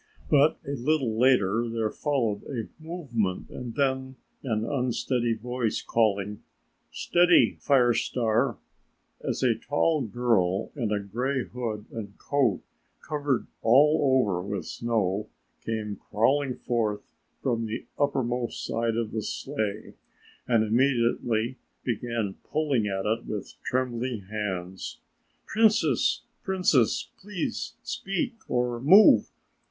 But a little later there followed a movement and then an unsteady voice calling, "Steady, Fire Star," as a tall girl in a gray hood and coat covered all over with snow came crawling forth from the uppermost side of the sleigh and immediately began pulling at it with trembling hands. "Princess, Princess, please speak or move!